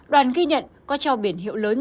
đoàn ghi nhận có trò biển hiệu lớn